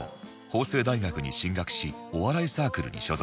法政大学に進学しお笑いサークルに所属